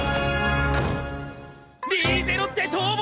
リーゼロッテ逃亡！